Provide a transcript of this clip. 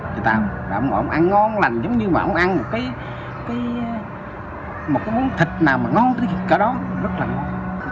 thì ta cũng gọi ông ăn ngon lành giống như mà ông ăn một cái một cái món thịt nào mà ngon tới cả đó rất là ngon